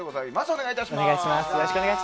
お願いします。